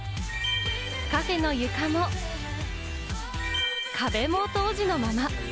カフェの床も、壁も当時のまま。